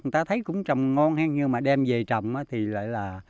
người ta thấy cũng trồng ngon nhưng mà đem về trồng thì lại là